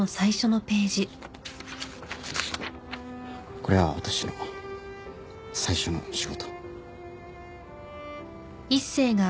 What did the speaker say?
これは私の最初の仕事。